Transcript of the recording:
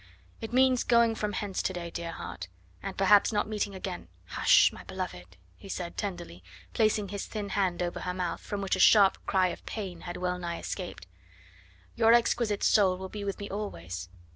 "It means going from hence to day, dear heart, and perhaps not meeting again. Hush sh sh, my beloved," he said, tenderly placing his thin hand over her mouth, from which a sharp cry of pain had well nigh escaped; "your exquisite soul will be with me always.